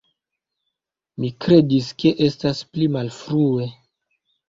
Mi kredis, ke estas pli malfrue.